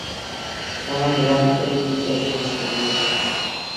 ئۇنىڭ بىلەن بىر كېچە ئۇرۇشتا بىللە بولدۇق.